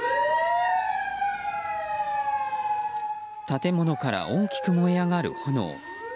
建物から大きく燃え上がる炎。